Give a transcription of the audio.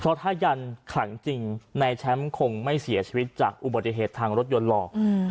เพราะถ้ายันขังจริงนายแชมป์คงไม่เสียชีวิตจากอุบัติเหตุทางรถยนต์หรอก